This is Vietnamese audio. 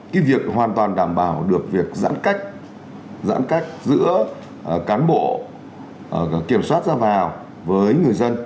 cái việc hoàn toàn đảm bảo được việc giãn cách giãn cách giữa cán bộ kiểm soát ra vào với người dân